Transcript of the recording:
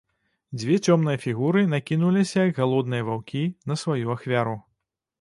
Дзве цёмныя фігуры накінуліся, як галодныя ваўкі, на сваю ахвяру.